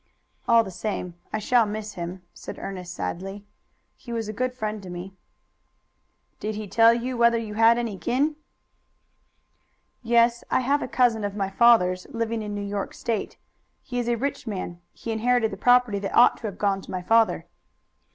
"All the same I shall miss him," said Ernest sadly. "He was a good friend to me." "Did he tell you whether you had any kin?" "Yes; I have a cousin of my father's living in New York State. He is a rich man. He inherited the property that ought to have gone to my father."